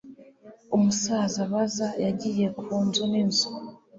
umusaza bazza yagiye ku nzu n'inzu